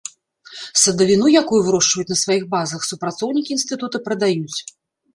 Садавіну, якую вырошчваюць на сваіх базах, супрацоўнікі інстытута прадаюць.